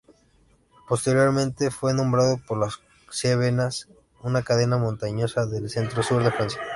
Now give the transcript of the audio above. Posteriormente, fue nombrado por las Cevenas, una cadena montañosa del centro-sur de Francia.